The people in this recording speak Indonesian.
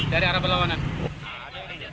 dari arah berlawanan